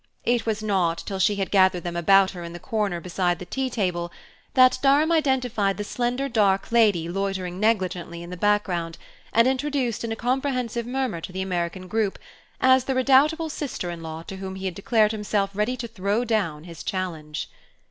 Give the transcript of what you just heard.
It was not till she had gathered them about her in the corner beside the tea table, that Durham identified the slender dark lady loitering negligently in the background, and introduced in a comprehensive murmur to the American group, as the redoubtable sister in law to whom he had declared himself ready to throw down his challenge.